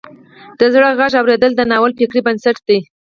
د زړه غږ اوریدل د ناول فکري بنسټ دی.